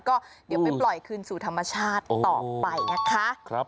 ก็เดี๋ยวไปปล่อยคืนสู่ธรรมชาติต่อไปนะคะ